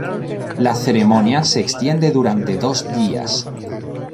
La ceremonia se extiende durante dos días.